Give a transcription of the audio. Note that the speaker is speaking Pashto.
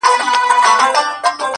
چي غول خورې کاچوغه تر ملا گرځوه.